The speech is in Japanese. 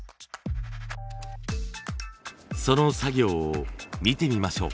その作業を見てみましょう。